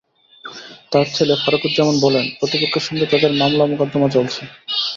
তাঁর ছেলে ফারুকুজ্জামান বলেন, প্রতিপক্ষের সঙ্গে তাঁদের মামলা মোকদ্দমা চলছে।